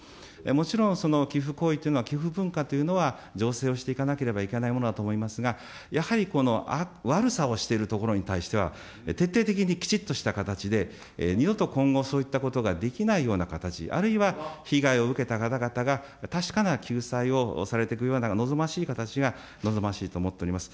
もちろん寄付行為というのは、寄付文化というのは、醸成をしていかなければならないものだと思いますが、やはり悪さをしているところに対しては、徹底的にきちっとした形で、二度と今後、そういったことができないような形、あるいは被害を受けた方々が確かな救済をされていくような、望ましい形が望ましいと思っております。